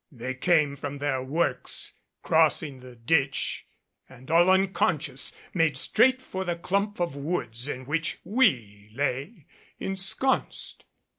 They came from their works, crossing the ditch and, all unconscious, made straight for the clump of woods in which we lay ensconced.